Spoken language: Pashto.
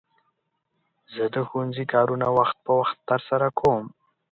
زه د ښوونځي کارونه وخت په وخت ترسره کوم.